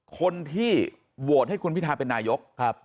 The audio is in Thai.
คนที่โหวตให้คุณพิทาเป็นนายก